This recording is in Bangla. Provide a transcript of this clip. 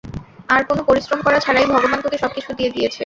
আর কোন পরিশ্রম করা ছাড়াই ভগবান তোকে সবকিছু দিয়ে দিয়েছে।